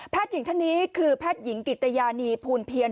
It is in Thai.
หญิงท่านนี้คือแพทย์หญิงกิตยานีภูลเพียร